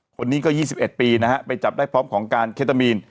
คนนี้ก็๒๑ปีนะฮะไปจับได้พร้อมของการเคตามีน